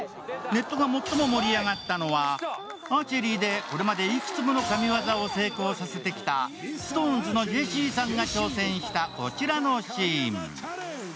ネットが最も盛り上がったのは、アーチェリーで、これまでいくつもの神業を成功させてきたＳｉｘＴＯＮＥＳのジェシーさんが挑戦したこちらのシーン。